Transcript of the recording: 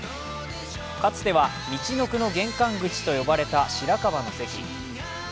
かつてはみちのくの玄関口と呼ばれた白河の関。